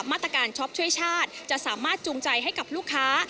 มาตรการช็อปช่วยชาติจะสามารถจูงใจให้กับลูกค้า